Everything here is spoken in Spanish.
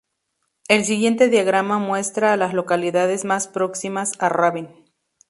El siguiente diagrama muestra a las localidades más próximas a Raven.